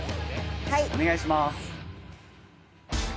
お願いします。